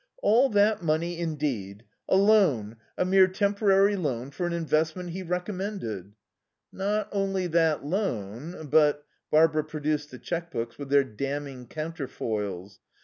"All that money indeed! A loan, a mere temporary loan, for an investment he recommended." "Not only that loan, but " Barbara produced the cheque books with their damning counterfoils.